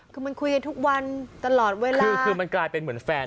คือมันคุยกันทุกวันตลอดเวลาคือคือมันกลายเป็นเหมือนแฟน